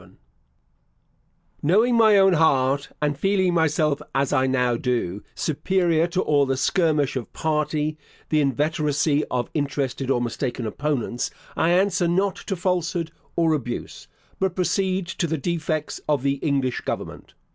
* Knowing my own heart and feeling myself as I now do, superior to all the skirmish of party, the inveteracy of interested or mistaken opponents, I answer not to falsehood or abuse, but proceed to the defects of the English Government.